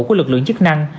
của lực lượng chức năng